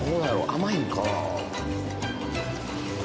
甘いんかな？